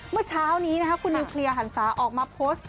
เมื่อเช้านี้คุณนิวเคลียร์หันศาออกมาโพสต์